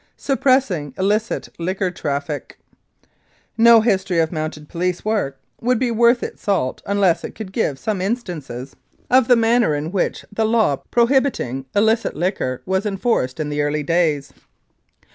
SUPPRESSING ILLICIT LIQUOR TRAFFIC No history of Mounted Police work would be worth its salt unless it could give some instances of the 301 Mounted Police Life in Canada manner in which the law prohibiting illicit liquor was enforced in the early days.